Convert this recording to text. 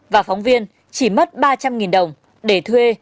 và phóng viên chỉ mất ba trăm linh đồng để thuê